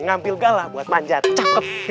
ambil gala buat manjat cakep